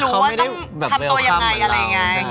เขาไม่ได้๓๒๐เปนเรา